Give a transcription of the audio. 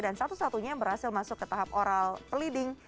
dan satu satunya berhasil masuk ke tahap oral peliding